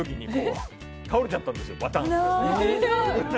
倒れちゃったんですよ。